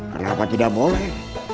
kenapa tidak boleh